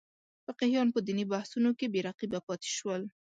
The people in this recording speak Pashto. فقیهان په دیني بحثونو کې بې رقیبه پاتې شول.